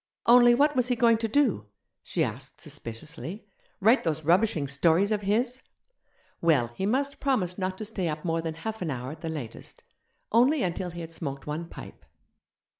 Only, what was he going to do? she asked suspiciously; write those rubbishing stories of his? Well, he must promise not to stay up more than half an hour at the latest only until he had smoked one pipe.